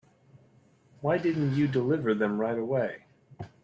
Why didn't you deliver them right away?